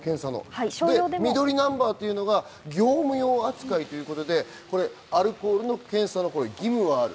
緑ナンバーは業務用扱いということで、アルコールの検査の義務がある。